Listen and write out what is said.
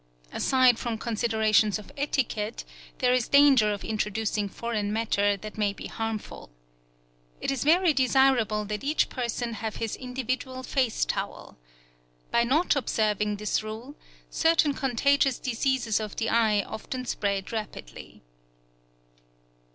Aside from considerations of etiquette, there is danger of introducing foreign matter that may be harmful. It is very desirable that each person have his individual face towel. By not observing this rule, certain contagious diseases of the eye often spread rapidly.